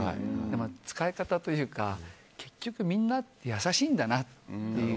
でも使い方というか結局みんな優しいんだなって。